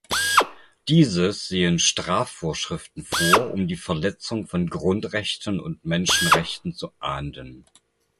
Diese sehen Strafvorschriften vor, um die Verletzung von Grundrechten und Menschenrechten zu ahnden.